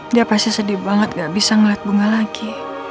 dia pasti sedih banget gak bisa ngeliat bunga lagi